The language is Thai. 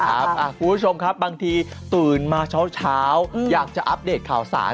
คุณผู้ชมครับบางทีตื่นมาเช้าอยากจะอัปเดตข่าวสาร